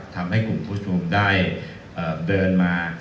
ทำให้กลุ่มผู้ชมได้เดินมา